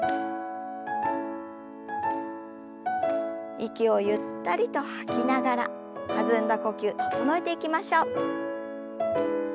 息をゆったりと吐きながら弾んだ呼吸整えていきましょう。